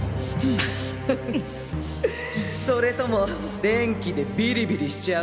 フフフそれとも電気でビリビリしちゃう？